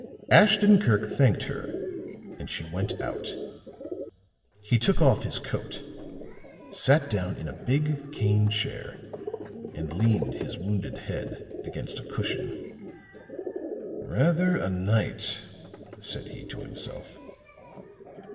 Ashton Kirk thanked her and she went out. He took off his coat, sat down in a big cane chair and leaned his wounded head against a cushion. "Rather a night," said he to himself.